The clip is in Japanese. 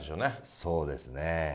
そうですね。